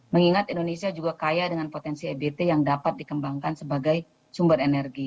mengingat indonesia juga kaya dengan potensi ebt yang dapat dikembangkan sebagai sumber energi